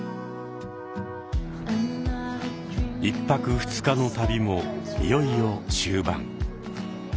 １泊２日の旅もいよいよ終盤。